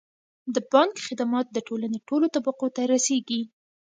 د بانک خدمات د ټولنې ټولو طبقو ته رسیږي.